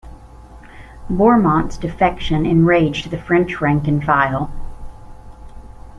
Bourmont's defection enraged the French rank and file.